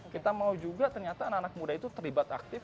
kita mau juga ternyata anak anak muda itu terlibat aktif